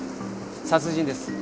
殺人です。